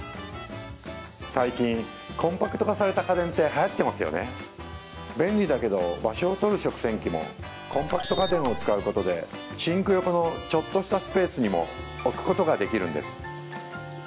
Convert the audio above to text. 最近コンパクト化された家電ってはやってますよね便利だけど場所をとる食洗機もコンパクト家電を使うことでシンク横のちょっとしたスペースにも置くことができるんです